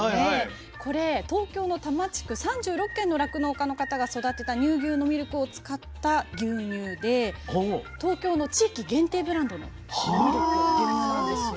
これ東京の多摩地区３６軒の酪農家の方が育てた乳牛のミルクを使った牛乳で東京の地域限定ブランドのミルク牛乳なんですよ。